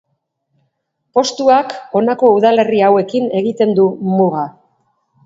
Postuak honako udalerri hauekin egiten du muga.